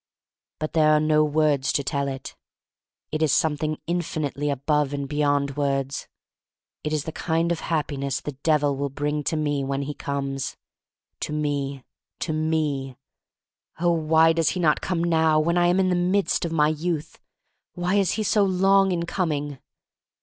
But there are no words to tell it. It is something infinitely above and be yond words. It is the kind of Happi ness the Devil will bring to me when he comes, — to me, to me\ Oh, why does he not come now when I am in the midst of my youth! Why is he so long in coming?